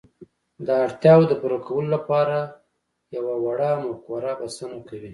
د اړتياوو د پوره کولو لپاره يوه وړه مفکوره بسنه کوي.